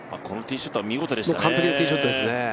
このティーショットは見事でしたね。